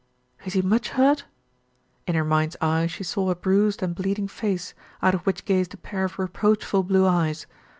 "Is he much hurt?" In her mind's eye she saw a bruised and bleeding face, out of which gazed a pair of reproachful blue eyes.